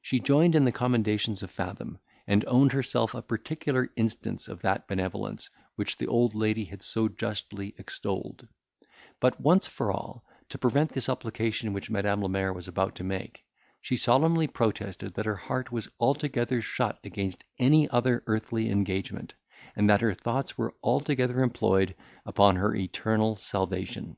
She joined in the commendations of Fathom, and owned herself a particular instance of that benevolence which the old lady had so justly extolled; but, once for all, to prevent the supplication which Madam la Mer was about to make, she solemnly protested that her heart was altogether shut against any other earthly engagement, and that her thoughts were altogether employed upon her eternal salvation.